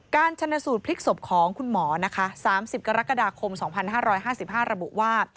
ชนสูตรพลิกศพของคุณหมอนะคะ๓๐กรกฎาคม๒๕๕๕ระบุว่า